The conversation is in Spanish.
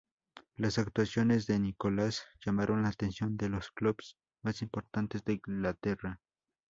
Las actuaciones de Nicholas llamaron la atención de los clubes más importantes de Inglaterra.